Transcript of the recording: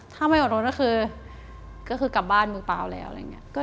ถ้าไม่อดรถก็คือกลับบ้านมือเปล่าแล้วอะไรอย่างนี้